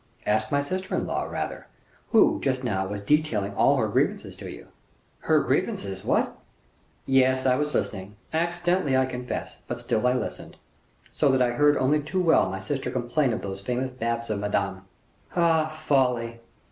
"Ask my sister in law, rather, who, just now, was detailing all her grievances to you." "Her grievances, what " "Yes, I was listening; accidentally, I confess, but still I listened so that I heard only too well my sister complain of those famous baths of Madame " "Ah! folly!"